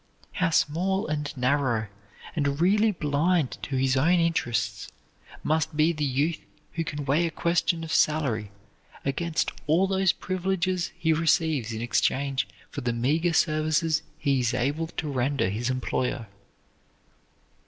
How small and narrow and really blind to his own interests must be the youth who can weigh a question of salary against all those privileges he receives in exchange for the meager services he is able to render his employer.